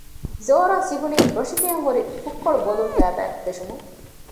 ޒޯރާ ސިހުނީ ރޮށިފިހަން ހުރި ފުށްކޮޅު ބޮލުން ފައިބަން ފެށުމުން